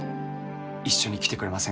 一緒に来てくれませんか？